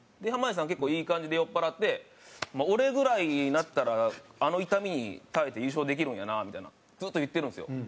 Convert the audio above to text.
濱家さん結構いい感じで酔っ払って「まあ俺ぐらいになったらあの痛みに耐えて優勝できるんやな」みたいなずっと言ってるんですよ。